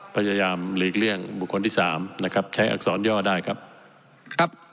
พยายามหลีกเลี่ยงบุคคลที่สามนะครับใช้อักษรย่อได้ครับครับ